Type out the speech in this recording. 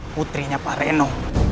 putrinya pak reno